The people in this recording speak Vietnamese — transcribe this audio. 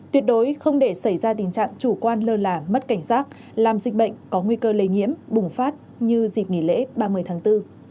tuyệt đối không để xảy ra tình trạng chủ quan lơ là mất cảnh giác làm dịch bệnh có nguy cơ lây nhiễm bùng phát như dịp nghỉ lễ ba mươi tháng bốn